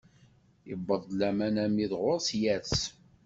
Iwweḍ-d laman armi d ɣuṛ-s, yers.